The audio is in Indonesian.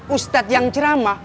ustad yang ceramah